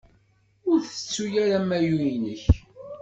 Ur tettu ara amayu-inek.